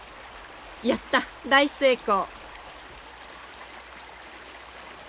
やった大成功。